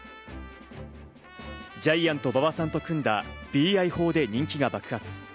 ジャイアント馬場さんと組んだＢＩ砲で人気が爆発。